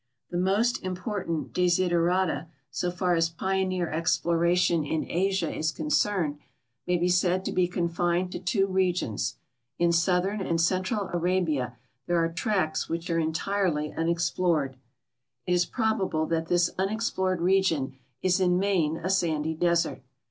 The most important desiderata, so far as i)ioneer exploration in Asia is concerned, may l>e said to be contined to two regions. In southern and central Arabia tiiere are tracts which are en tirel}^ unexplored. It is {)robable tliat this unexplored region is in main a sandy desert.